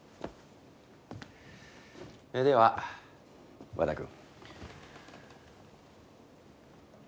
では和田君。